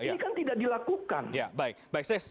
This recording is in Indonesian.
ini kan tidak dilakukan